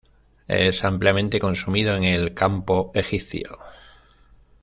Es ampliamente consumido en el campo egipcio.